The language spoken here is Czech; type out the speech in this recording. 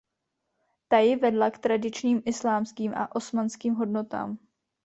Ta ji vedla k tradičním islámským a osmanským hodnotám.